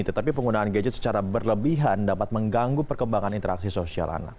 tetapi penggunaan gadget secara berlebihan dapat mengganggu perkembangan interaksi sosial anak